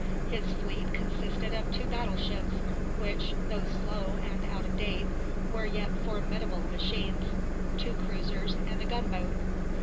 His fleet consisted of two battleships, which, though slow and out of date, were yet formidable machines, two cruisers, and a gunboat.